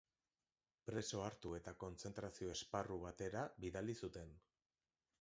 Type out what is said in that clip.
Preso hartu eta kontzentrazio-esparru batera bidali zuten.